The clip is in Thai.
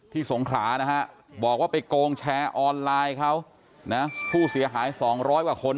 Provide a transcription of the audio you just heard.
สงขลานะฮะบอกว่าไปโกงแชร์ออนไลน์เขานะผู้เสียหาย๒๐๐กว่าคน